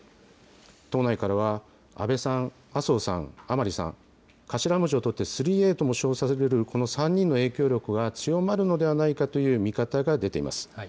党内からは安倍さん、麻生さん、甘利さん、頭文字を取って、３Ａとも称されるこの３人の影響力が強まるのではないかという見方が出ています。